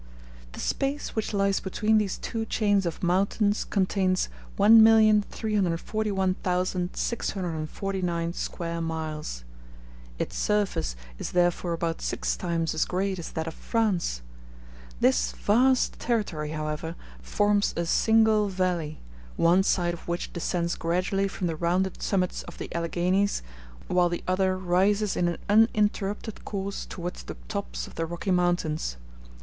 The space which lies between these two chains of mountains contains 1,341,649 square miles. *a Its surface is therefore about six times as great as that of France. This vast territory, however, forms a single valley, one side of which descends gradually from the rounded summits of the Alleghanies, while the other rises in an uninterrupted course towards the tops of the Rocky Mountains.